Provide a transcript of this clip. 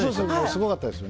すごかったです。